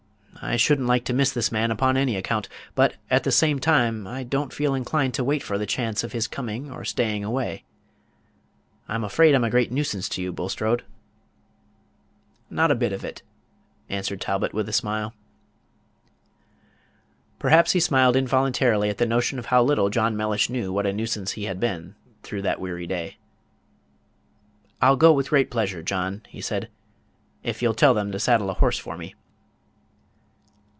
I should n't like to miss this man upon any account; but, at the same time, I don't feel inclined to wait for the chance of his coming or staying away. I'm afraid I'm a great nuisance to you, Bulstrode." "Not a bit of it," answered Talbot, with a smile. Perhaps he smiled involuntarily at the notion of how little John Mellish knew what a nuisance he had been through that weary day. "I'll go with very great pleasure, John," he said, "if you'll tell them to saddle a horse for me."